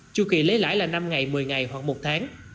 chu kỳ lấy lãi là năm ngày một mươi ngày hoặc một tháng